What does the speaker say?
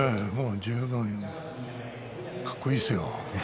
十分かっこいいですよ。